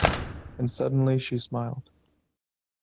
And suddenly she smiled.